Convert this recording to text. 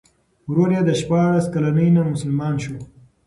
ورور یې د شپاړس کلنۍ نه مسلمان شو.